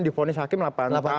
diponis hakim delapan tahun